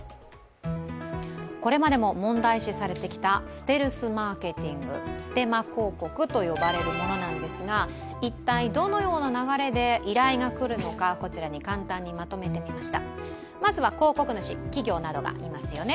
これまでも問題視されていたステルスマーケティング、ステマ広告と呼ばれるものですが一体どのような流れで依頼が来るのか、簡単にまとめてみました。